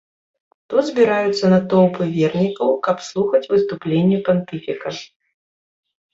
Тут збіраюцца натоўпы вернікаў, каб слухаць выступленні пантыфіка.